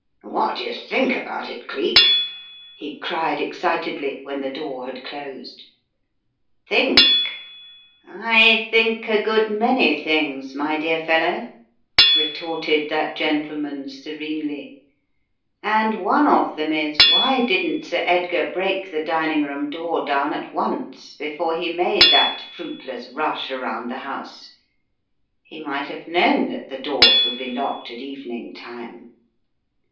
"What do you think about it, Cleek?" he cried excitedly, when the door had closed. "Think? I think a good many things, my dear fellow," retorted that gentleman serenely, "and one of them is, why didn't Sir Edgar break the dining room door down at once before he made that fruitless rush around the house. He might have known that the doors would be locked at evening time."